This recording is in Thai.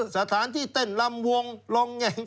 สถานที่เต้นลำวงลองแห่ง